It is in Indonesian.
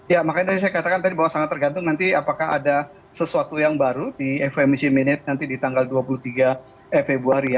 ya makanya tadi saya katakan tadi bahwa sangat tergantung nanti apakah ada sesuatu yang baru di fmc minute nanti di tanggal dua puluh tiga februari ya